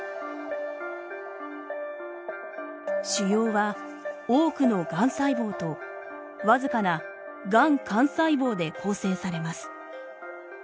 腫瘍は多くのがん細胞とわずかながん幹細胞で構成されます。